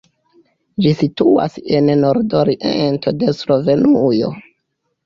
Ĝi situas en la nordoriento de Slovenujo.